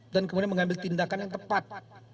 dan kemudian mengambil tindakan yang tepat